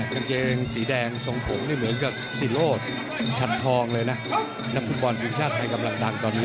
กางเกงสีแดงทรงผมนี่เหมือนกับศิโรธชันทองเลยนะนักฟุตบอลทีมชาติไทยกำลังดังตอนนี้